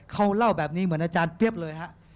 เขาเล่าแบบนี้เหมือนอาจารย์เปี๊ยบเลยฮะ